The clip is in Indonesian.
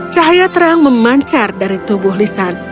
cahaya terang memancar dari tubuh lisan